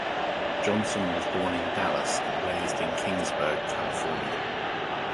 Johnson was born in Dallas and raised in Kingsburg, California.